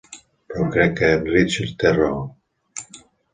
Però crec que en Richard té raó.